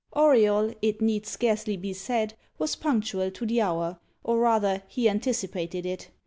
Auriol, it need scarcely be said, was punctual to the hour, or, rather, he anticipated it.